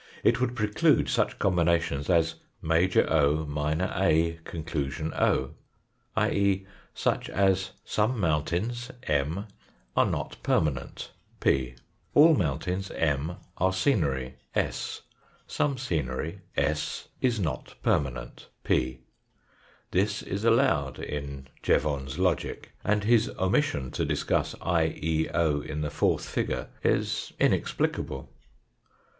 It would preclude such combinations as major o, minor A, conclusion o i.e., such as some mountains (M) are not permanent (p); all mountains (M) are scenery (s) ; some scenery (s) is not permanent (p). This is allowed in " Jevon's Logic," and his omission to discuss I, E, o, in the fourth figure, is inexplicable.